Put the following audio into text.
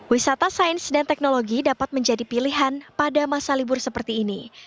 wisata sains dan teknologi dapat menjadi pilihan pada masa libur seperti ini